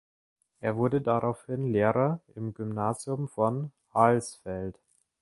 Er wurde daraufhin Lehrer im Gymnasium von Alsfeld.